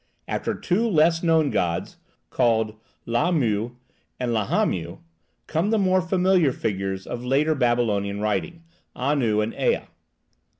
After two less known gods, called Lahmu and Lahamu, come the more familiar figures of later Babylonian writing, Anu and Ea.